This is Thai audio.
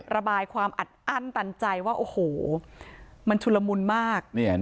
ระบายความอัดอั้นตันใจว่าโอ้โหมันชุลมุนมาก